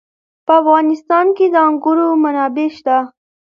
په افغانستان کې د انګور منابع شته.